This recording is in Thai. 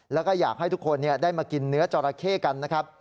แล้วก็อยากให้ทุกคนได้มากินเนื้อจอราเข้กันนะครับ